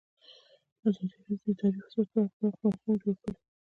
ازادي راډیو د اداري فساد په اړه پراخ بحثونه جوړ کړي.